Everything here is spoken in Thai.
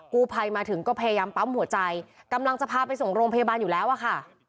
กู้ภัยมาถึงก็พยายามปั๊มหัวใจกำลังจะพาไปส่งโรงพยาบาลอยู่แล้วอะค่ะ